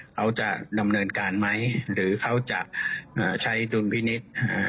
เขาจะดำเนินการไหมหรือเขาจะใช้ดุลพินิษฐ์